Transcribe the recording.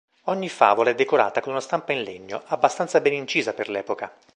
Ogni favola è decorata con una stampa in legno, abbastanza ben incisa per l'epoca.